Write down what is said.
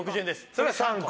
それを３個。